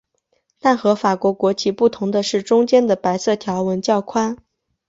但和法国国旗不同的是中间的白色条纹较宽。